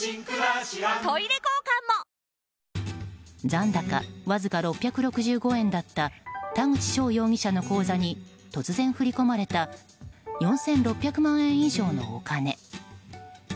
残高わずか６６５円だった田口翔容疑者の口座に突然、振り込まれた４６００万円以上のお金。